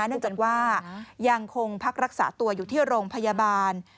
เนื่องจากว่ายังคงพักรักษาตัวอยู่ที่โรงพยาบาล